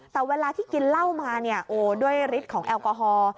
แต่เวลาที่กินเหล้ามาเนี่ยโอ้ด้วยฤทธิ์ของแอลกอฮอล์